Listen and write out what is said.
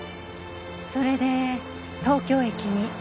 それで東京駅に？